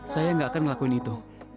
saya tidak akan melakukan itu